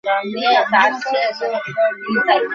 এই নির্জন ঘরের অল্প আলোয় এ কী অপরূপ আবির্ভাব!